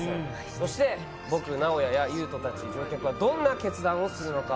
そして僕、直哉や優斗たち乗客はどんな決断をするのか。